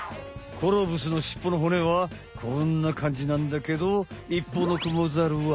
コロブスのしっぽの骨はこんなかんじなんだけどいっぽうのクモザルは。